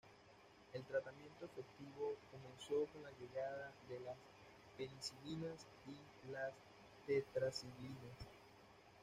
El tratamiento efectivo comenzó con la llegada de las penicilinas y las tetraciclinas.